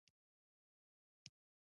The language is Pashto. ایا شنې چايي و لنګو ښځو ته ورکول ضرر لري؟